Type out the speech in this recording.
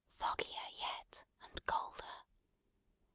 Foggier yet, and colder.